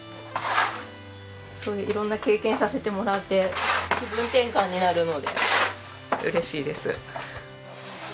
そういう色んな経験させてもらって気分転換になるので嬉しいです。